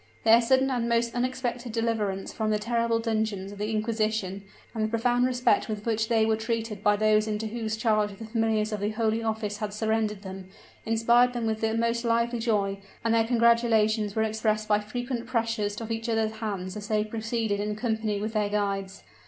Their sudden and most unexpected deliverance from the terrible dungeons of the inquisition, and the profound respect with which they were treated by those into whose charge the familiars of the holy office had surrendered them, inspired them with the most lively joy; and their congratulations were expressed by frequent pressures of each other's hands as they proceeded in company with their guides.